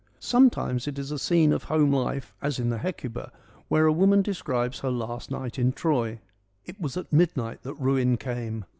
Sometimes it is a scene of home life as in the Hecuba where a woman describes her last night in Troy. ■ It was at midnight that ruin came.